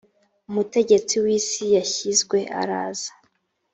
umutegetsi w isi yashyizwe araza